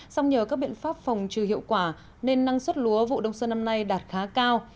song nhờ các biện pháp phòng trừ hiệu quả nên năng suất lúa vụ đông xuân năm nay đạt khá cao